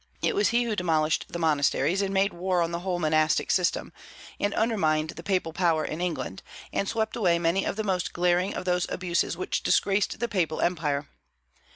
It was he who demolished the monasteries, and made war on the whole monastic system, and undermined the papal power in England, and swept away many of the most glaring of those abuses which disgraced the Papal Empire.